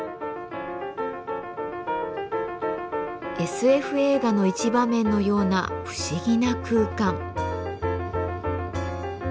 ＳＦ映画の一場面のような不思議な空間。